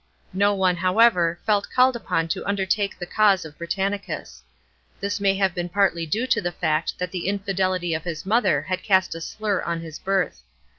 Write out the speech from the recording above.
No one, however, felt called upon to undertake the cause oi Britannicns. This may have been partly due to the fact that the infidelity of his mother had cast a slur on his birth.